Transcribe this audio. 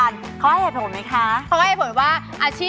นักธุรกิจ